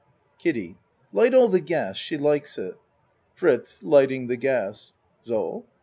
KIDDIE Light all the gas. She likes it. FRITZ (Lighting the gas.) So.